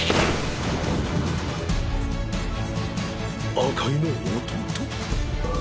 赤井の弟？